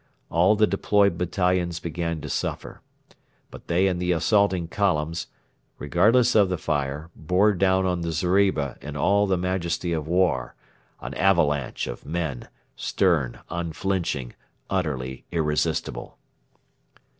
All the deployed battalions began to suffer. But they and the assaulting columns, regardless of the fire, bore down on the zeriba in all the majesty of war an avalanche of men, stern, unflinching, utterly irresistible.